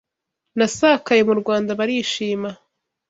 Nasakaye mu Rwanda barishima